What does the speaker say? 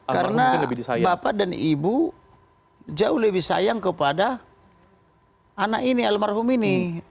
karena bapak dan ibu jauh lebih sayang kepada anak ini almarhum ini